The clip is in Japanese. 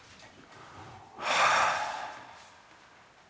はあ。